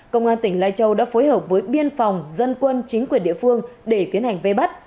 công an tỉnh lai châu đã phối hợp với biên phòng dân quân chính quyền địa phương để tiến hành vây bắt